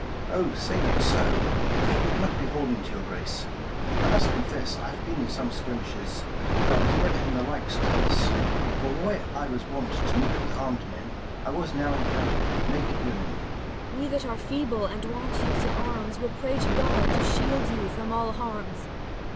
Mum. Oh, say not so : 25 I have been much beholding to your grace : I must confess, I have been in some skirmishes, But I was never in the like to this : For where I was wont to meet with armed men, I was now encountered with naked women. 30 Cor. We that are feeble, and want use of arms, Will pray to God, to shield you from all harms.